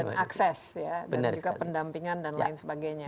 dan akses pendampingan dan lain sebagainya